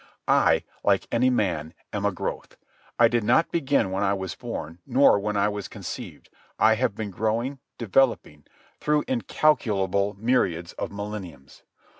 I, like any man, am a growth. I did not begin when I was born nor when I was conceived. I have been growing, developing, through incalculable myriads of millenniums.